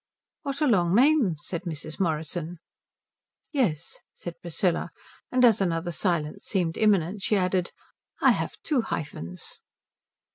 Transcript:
"What a long name," said Mrs. Morrison. "Yes," said Priscilla; and as another silence seemed imminent she added, "I have two hyphens."